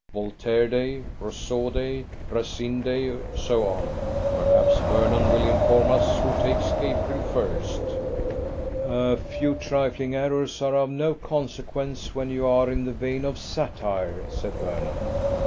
Voltaire day, Rousseau day, Racine day, so on. Perhaps Vernon will inform us who takes April 1st." "A few trifling errors are of no consequence when you are in the vein of satire," said Vernon.